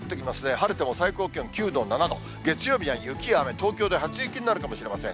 晴れても最高気温９度、７度、月曜日は雪や雨、東京で初雪になるかもしれません。